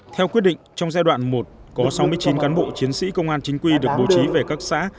theo quyết định trong giai đoạn một có sáu mươi chín cán bộ chiến sĩ công an chính quy được bố trí về các xã